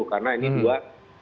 karena ini dua